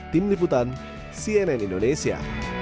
tim liputan cnn indonesia